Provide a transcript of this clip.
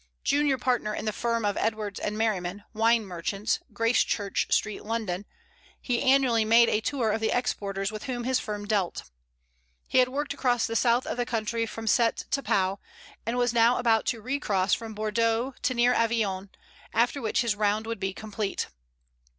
Junior partner in the firm of Edwards & Merriman, Wine Merchants, Gracechurch Street, London, he annually made a tour of the exporters with whom his firm dealt. He had worked across the south of the country from Cette to Pau, and was now about to recross from Bordeaux to near Avignon, after which his round would be complete.